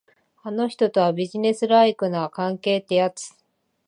あの人とは、ビジネスライクな関係ってやつ。